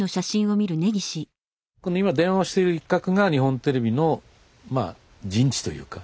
この今電話している一角が日本テレビの陣地というか。